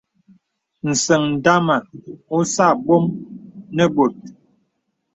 Səŋ ndàma ósə ābōm nə bòt.